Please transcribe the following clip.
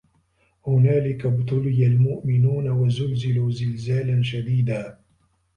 هُنالِكَ ابتُلِيَ المُؤمِنونَ وَزُلزِلوا زِلزالًا شَديدًا